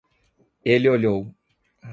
Ele olhou.